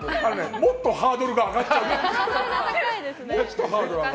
もっとハードルが上がっちゃうよ。